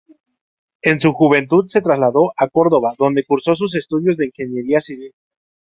En su juventud se trasladó a Córdoba, donde cursó sus estudios de ingeniería civil.